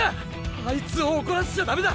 あいつを怒らせちゃダメだ！